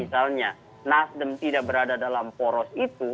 misalnya nasdem tidak berada dalam poros itu